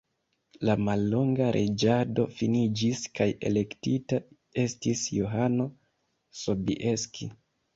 La mallonga reĝado finiĝis kaj elektita estis Johano Sobieski.